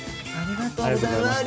ありがとうございます。